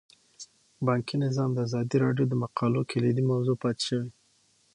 بانکي نظام د ازادي راډیو د مقالو کلیدي موضوع پاتې شوی.